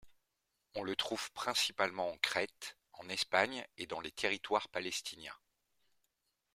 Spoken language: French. On le trouve principalement en Crête, en Espagne et dans les Territoires palestiniens.